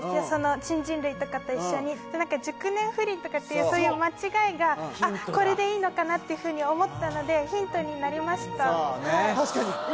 新人類とかと一緒に熟年不倫とかっていうそういう間違いがあっこれでいいのかなっていうふうに思ったのでヒントになりましたそうね